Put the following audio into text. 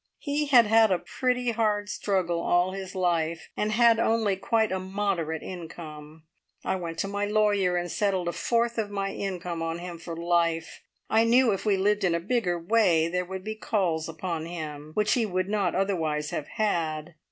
He had had a pretty hard struggle all his life, and had only quite a moderate income. I went to my lawyer and settled a fourth of my income on him for life. I knew if we lived in a bigger way there would be calls upon him which he would not otherwise have had.